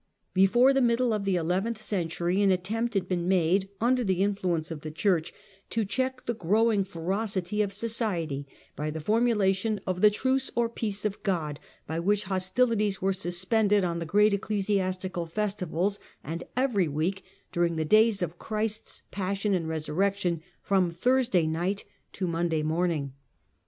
Before the middle of the eleventh century an attempt had been made, under the influence of the Church, to check the growing ferocity of society The by the formulation of the Truce or Peace of God, by which God hostilities were suspended on the great ecclesiastical festivals, and every week, during the days of Christ's Passion and Kesurrection, from Thursday night to Mon day morning.